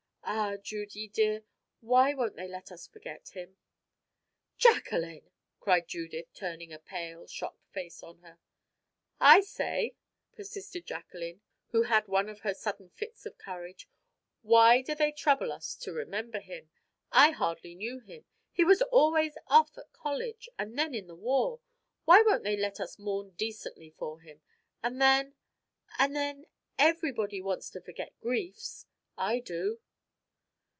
Ah, Judy, dear, why won't they let us forget him " "Jacqueline!" cried Judith, turning a pale, shocked face on her. "I say," persisted Jacqueline, who had one of her sudden fits of courage, "why do they trouble us to remember him? I hardly knew him; he was always off at college, and then in the war; why won't they let us mourn decently for him? And then and then everybody wants to forget griefs. I do."